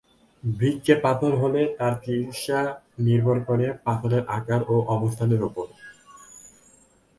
বৃক্কে পাথর হলে তার চিকিৎসা নির্ভর করে পাথরের আকার ও অবস্থানের উপর।